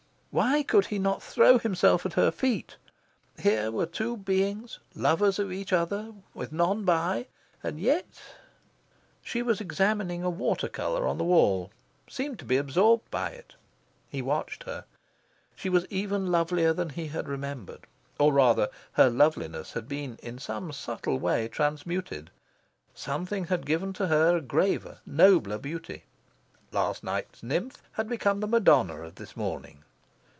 Why could he not throw himself at her feet? Here were two beings, lovers of each other, with none by. And yet... She was examining a water colour on the wall, seemed to be absorbed by it. He watched her. She was even lovelier than he had remembered; or rather her loveliness had been, in some subtle way, transmuted. Something had given to her a graver, nobler beauty. Last night's nymph had become the Madonna of this morning.